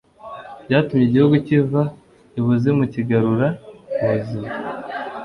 byatumye igihugu kiva i buzimu kikagarura ubuzima